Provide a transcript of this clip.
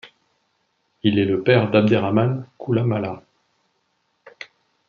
Il est le père d'Abderaman Koulamallah.